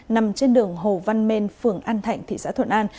nằm trên đường hồ văn mên phường an thạnh thị xã thuận an